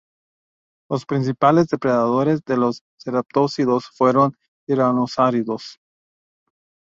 Los principales depredadores de los ceratópsidos fueron tiranosáuridos.